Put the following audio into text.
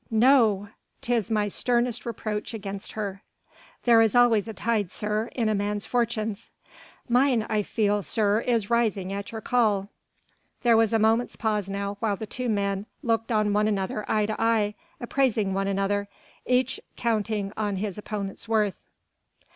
"No! 'tis my sternest reproach against her." "There is always a tide, sir, in a man's fortunes." "Mine I feel, sir, is rising at your call." There was a moment's pause now while the two men looked on one another eye to eye, appraising one another, each counting on his opponent's worth.